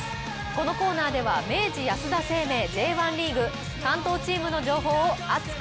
このコーナーでは明治安田生命Ｊ１リーグ関東チームの情報を熱く！